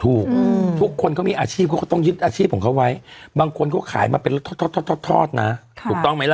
ทุกคนเขามีอาชีพเขาก็ต้องยึดอาชีพของเขาไว้บางคนเขาขายมาเป็นทอดนะถูกต้องไหมล่ะ